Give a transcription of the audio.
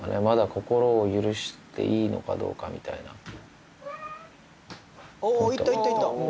まだ心を許していいのかどうかみたいな。